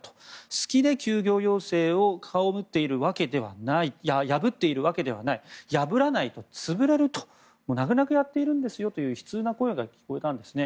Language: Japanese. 好きで休業要請を破っているわけではない破らないと潰れると泣く泣くやっているんですよと悲痛な声が聞こえたんですね。